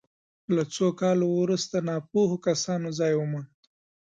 له څو کالو وروسته ناپوهو کسانو ځای وموند.